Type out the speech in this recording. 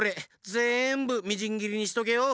ぜんぶみじんぎりにしとけよ！